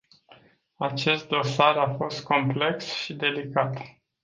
Acest dosar a fost complex și delicat.